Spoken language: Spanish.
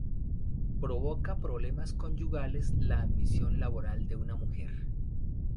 Provoca problemas conyugales la ambición laboral de una mujer.